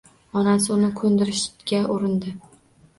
Onasi uni kundirishga urindi!